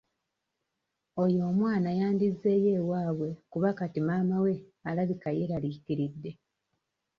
Oyo omwana yandizzeeyo ewaabwe kuba kati maama we alabika yeeraliikiridde.